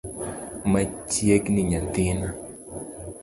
Machiegni nyathina.